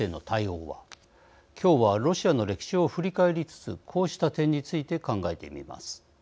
今日はロシアの歴史を振り返りつつこうした点について考えてみます。